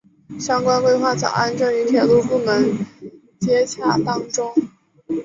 相关规划草案正与铁路部门接洽当中。